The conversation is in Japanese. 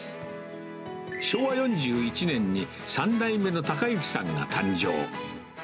昭和４１年に３代目の孝之さんが誕生。